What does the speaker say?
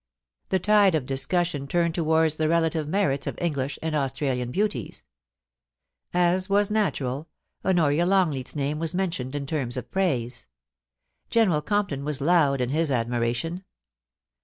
The tide of discussion turned towards the relative merits of English and Australian beauties. As was natural, Honoria Ix>ngleat's name was mentioned in terms of praise. General Compton was loud in his admiration.